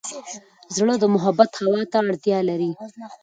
زړه د محبت هوا ته اړتیا لري.